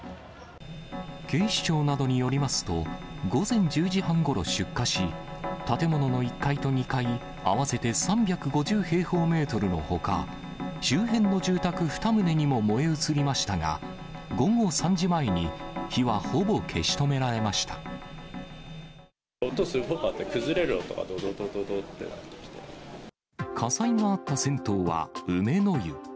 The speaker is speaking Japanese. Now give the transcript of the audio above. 警視庁などによりますと、午前１０時半ごろ出火し、建物の１階と２階合わせて３５０平方メートルのほか、周辺の住宅２棟にも燃え移りましたが、午後３時前に火はほぼ消し音すごかった、火災があった銭湯は、梅の湯。